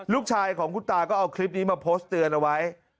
ลูกชายของคุณตาก็เอาคลิปนี้มาโพสต์เตือนเอาไว้